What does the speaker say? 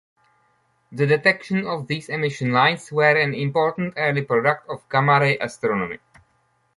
The detection of these emission lines were an important early product of gamma-ray astronomy.